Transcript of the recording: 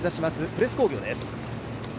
プレス工業です。